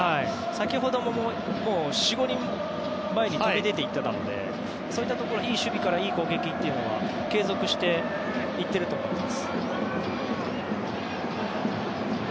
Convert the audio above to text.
先ほども４５人前に飛び出て行っていたのでそういった、いい守備からいい攻撃というのは継続していっていると思います。